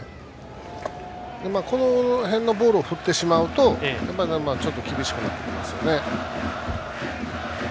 この辺のボールを振ってしまうとちょっと厳しくなってきますよね。